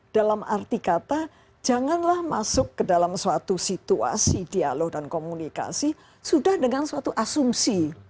dalam arti kata janganlah masuk ke dalam suatu situasi dialog dan komunikasi sudah dengan suatu asumsi